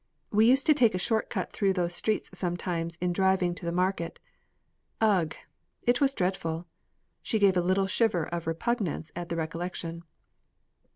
We used to take a short cut through those streets sometimes in driving to the market. Ugh! It was dreadful!" She gave a little shiver of repugnance at the recollection.